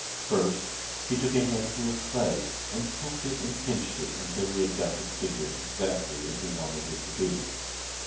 First he took a handful of clay and poked it and pinched it until he had got his figure exactly as he wanted it to be.